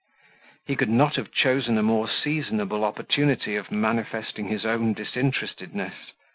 He could not have chosen a more seasonable opportunity of manifesting his own disinterestedness.